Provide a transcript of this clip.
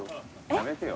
やめてよ。